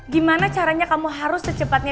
gimana caranya kamu harus secepatnya